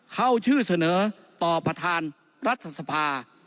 เข้าชื่อเสนอต่อประธานรัฐสภา